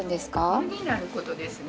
無になることですね。